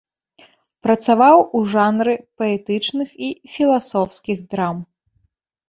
Працаваў у жанры паэтычных і філасофскіх драм.